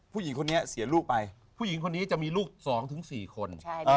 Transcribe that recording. ผู้หญิงเงามีลูก๒ถึง๔คน